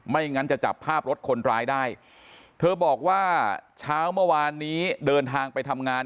งั้นจะจับภาพรถคนร้ายได้เธอบอกว่าเช้าเมื่อวานนี้เดินทางไปทำงาน